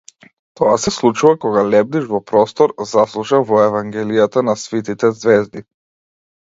Тоа се случува кога лебдиш во простор заслушан во евангелијата на свитите ѕвезди.